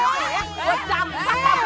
gue jam pak kamu